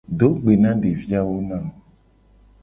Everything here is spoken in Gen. Do gbe na devi awo na mu.